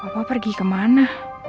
papa pergi kemana